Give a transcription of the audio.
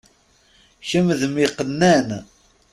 Kemm, d mm yiqannan!